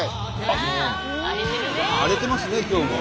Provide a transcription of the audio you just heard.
荒れてますね今日も。